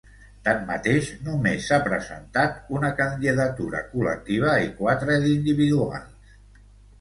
Tanmateix, només s’ha presentat una candidatura col·lectiva i quatre d’individuals.